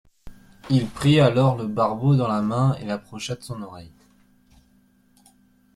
Il prit alors le barbeau dans la main et l’approcha de son oreille.